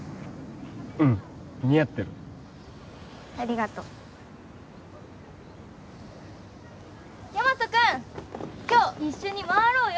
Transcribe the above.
うん似合ってるありがとうヤマト君今日一緒に回ろうよ